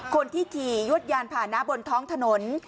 คนที่ขี่ยวดยานผ่านะบนท้องถนน